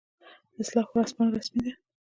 اصلاح ورځپاڼه رسمي ده